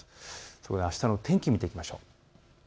そこであしたの天気を見ていきましょう。